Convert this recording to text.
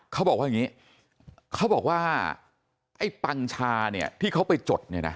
เขาบอกว่าอย่างนี้เขาบอกว่าไอ้ปังชาเนี่ยที่เขาไปจดเนี่ยนะ